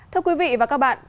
thưa quý vị và các bạn